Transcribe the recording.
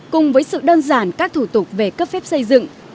cùng với sự đơn giản các thủ tục về cấp phép xây dựng